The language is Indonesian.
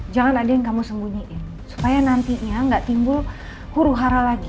jangan ada yang kamu sembunyiin supaya nanti ia ga timbul huru hara lagi